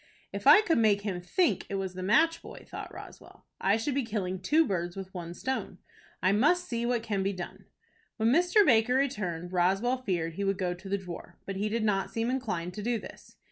"If I could make him think it was the match boy," thought Roswell, "I should be killing two birds with one stone. I must see what can be done." When Mr. Baker returned, Roswell feared he would go to the drawer, but he did not seem inclined to do this.